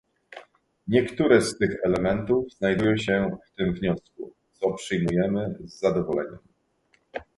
Niektóre z tych elementów znajdują się w tym wniosku, co przyjmujemy z zadowoleniem